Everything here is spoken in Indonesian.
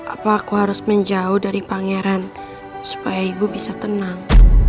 apa aku harus menjauh dari pangeran supaya ibu bisa tenang